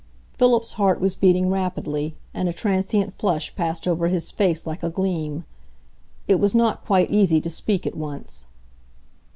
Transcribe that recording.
Philip's heart was beating rapidly, and a transient flush passed over his face like a gleam. It was not quite easy to speak at once.